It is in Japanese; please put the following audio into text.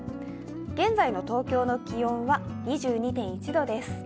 現在の東京の気温は２２．１度です。